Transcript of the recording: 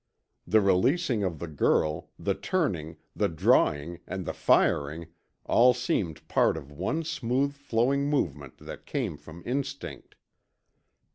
The releasing of the girl, the turning, the drawing, and the firing, all seemed part of one smooth flowing movement that came from instinct.